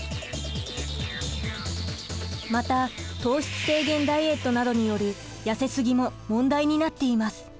また糖質制限ダイエットなどによる痩せすぎも問題になっています。